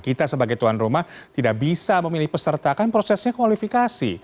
kita sebagai tuan rumah tidak bisa memilih peserta kan prosesnya kualifikasi